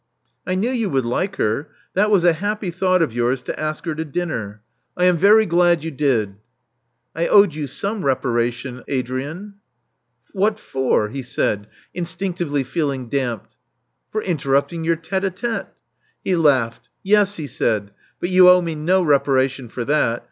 I knew you would like her. That was a happy thought of yours to ask her to dinner. I am very glad you did." I owed you some reparation, Adrian." "What for?" he said, instinctively feeling damped. "For interrupting your tite h tite. He laughed. Yes," he said. "But you owe me no reparation for that.